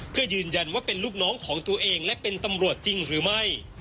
เพื่อยืนยันว่าเป็นลูกน้องของตัวเองและเป็นตำรวจจริงหรือไม่